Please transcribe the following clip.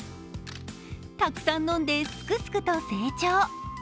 たくさん飲んで、すくすくと成長。